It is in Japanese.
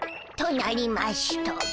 となりましゅと。